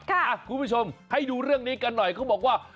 คุณผู้ชมให้ดูเรื่องนี้กันหน่อยเขาบอกว่า